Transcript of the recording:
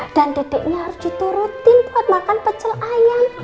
dan dedeknya harus itu rutin buat makan pecel ayam